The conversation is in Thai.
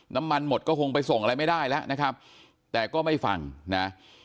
น้ำมันหมดก็คงไปส่งอะไรไม่ได้แล้วนะครับแต่ก็ไม่ฟังนะ